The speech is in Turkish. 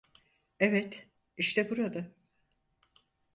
Evet, işte burada.